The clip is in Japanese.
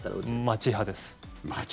街派です。